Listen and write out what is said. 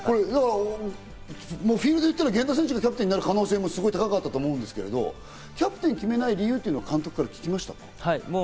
フィールドに行ったら源田選手がキャプテンになる可能性も高かったと思うんですけど、キャプテンを決めない理由は監督から聞きましたか？